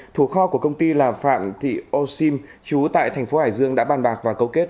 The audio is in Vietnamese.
thủ kho của công ty là phạm thị o sim chú tại thành phố hải dương đã bàn bạc và cấu kết